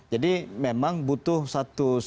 jadi memang butuh satu